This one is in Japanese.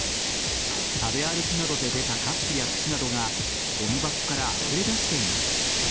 食べ歩きなどで出たカップや串などがごみ箱からあふれ出しています。